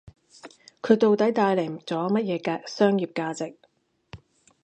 佢到底帶嚟咗乜嘢商業價值